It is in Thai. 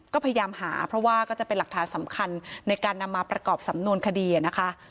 ก็พยายามหาเพราะว่าก็จะเป็นหลักฐานสำคัญในการนำมาประกอบสำนวนคดีนะคะ